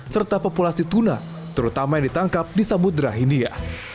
serta populasi tuna terutama yang ditangkap di samudera hindia